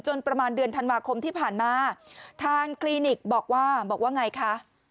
ประมาณเดือนธันวาคมที่ผ่านมาทางคลินิกบอกว่าบอกว่าไงคะ